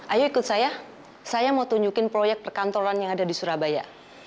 ayo ikut saya saya mau tunjukin proyek perkantoran yang ada di surabaya